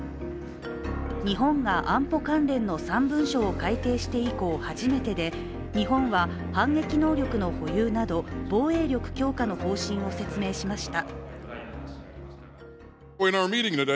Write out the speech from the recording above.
日本が安保関連の３文書を改定して以降初めてで日本は反撃能力の保有など防衛力強化の方針を説明しました。